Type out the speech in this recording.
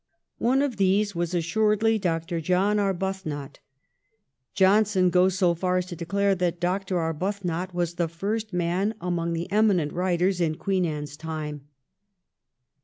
One of these was assuredly Dr. John Arbuthnot. Johnson goes so far as to declare that Arbuthnot was 'the first man among the eminent writers in Queen Anne's time.'